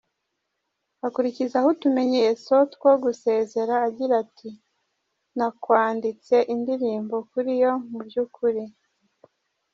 " Akurikizaho utumenyetso two gusezera, agira ati "Nakwanditse indirimbo kuri yo mu by’ukuri.